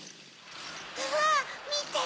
うわみて！